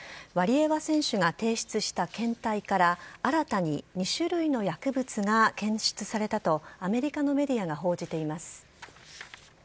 ワリエワ選手が提出した検体から新たに２種類の薬物が検出されたと、アメリカのメディアが報じています。